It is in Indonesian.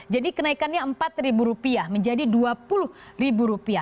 jadi kenaikannya rp empat menjadi rp dua puluh